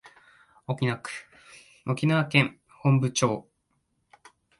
沖縄県本部町